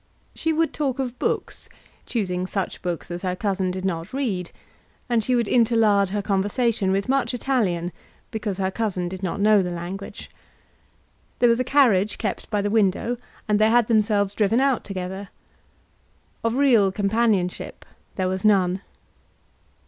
She would talk of books, choosing such books as her cousin did not read; and she would interlard her conversation with much Italian, because her cousin did not know the language. There was a carriage kept by the widow, and they had themselves driven out together. Of real companionship there was none.